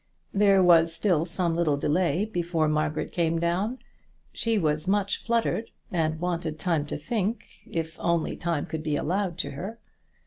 There was still some little delay before Margaret came down. She was much fluttered, and wanted time to think, if only time could be allowed to her.